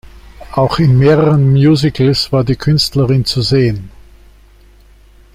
Auch in mehreren Musicals war die Künstlerin zu sehen.